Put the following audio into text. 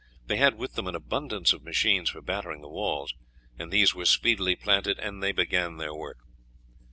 They had with them an abundance of machines for battering the walls, and these were speedily planted, and they began their work.